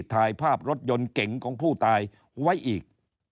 ถ่ายภาพรถยนต์เก่งของผู้ตายไว้อีก